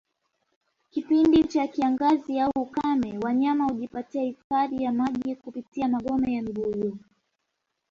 Kipindi cha kiangazi au ukame Wanyama hujipatia hifadhi ya maji kupitia magome ya mibuyu